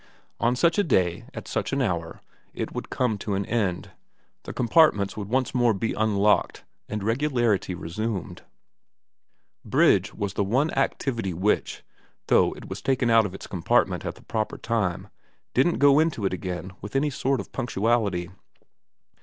On such a day, at such an hour, it would come to an end, the compartments would once more be unlocked, and regularity resumed. Bridge was the one activity which, though it was taken out of its compart ment at the proper time, didn't go into it again with any sort of punctuality.